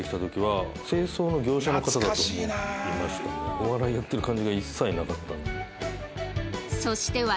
お笑いやってる感じが一切なかった。